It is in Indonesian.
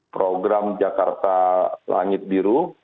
program jakarta langit biru